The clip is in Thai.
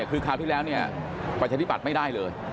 คือคราวที่แล้วเนี่ยประชาธิบัติไม่ได้เลย